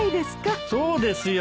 そうですよ。